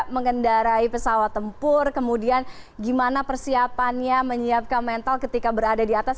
mengendarai pesawat tempur kemudian gimana persiapannya menyiapkan mental ketika berada di atas